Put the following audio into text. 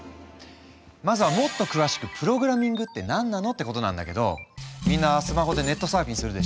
まずはもっと詳しく「プログラミングって何なの？」ってことなんだけどみんなスマホでネットサーフィンするでしょ？